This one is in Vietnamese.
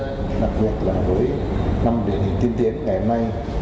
đặc biệt là với năm điển hình tiên tiến ngày hôm nay